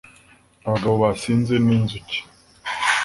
Abagabo basinze ninzuki